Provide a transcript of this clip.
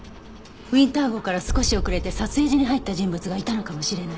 ウィンター号から少し遅れて撮影所に入った人物がいたのかもしれない。